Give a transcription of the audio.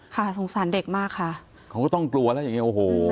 สงสารเด็กมากค่ะเขาก็ต้องกลัวแล้วอย่างเงี้โอ้โห